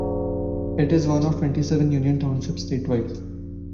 It is one of twenty-seven Union Townships statewide.